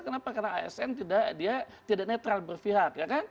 kenapa karena asn dia tidak netral berpihak